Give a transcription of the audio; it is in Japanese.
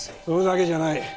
それだけじゃない